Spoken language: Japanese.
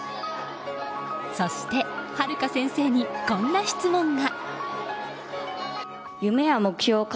そして、はるか先生にこんな質問が。